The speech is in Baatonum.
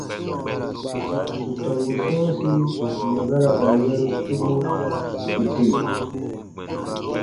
Bù tɔmbu sɔ̃ɔsi mɛ̀ ba ra ka yɛ̃ru tubu, bù tè.